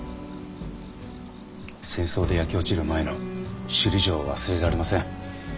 戦争で焼け落ちる前の首里城を忘れられません。